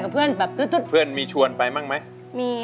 กระแซะเข้ามาสิ